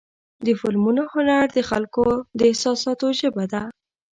د فلمونو هنر د خلکو د احساساتو ژبه ده.